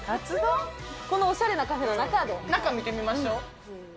このおしゃれなカフェの中で中、見てみましょう。